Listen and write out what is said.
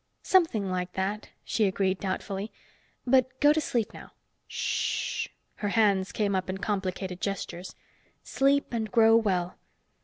"Something like that," she agreed doubtfully. "But go to sleep now. Shh." Her hands came up in complicated gestures. "Sleep and grow well."